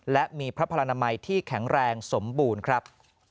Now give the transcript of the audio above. และมีพระพลนามัยที่แข็งแรงสมบูรณ์ครับ